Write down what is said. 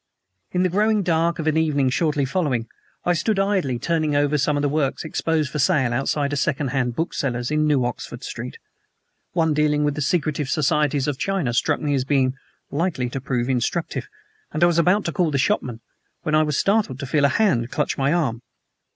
In the growing dark of an evening shortly following I stood idly turning over some of the works exposed for sale outside a second hand bookseller's in New Oxford Street. One dealing with the secret societies of China struck me as being likely to prove instructive, and I was about to call the shopman when I was startled to feel a hand clutch my arm.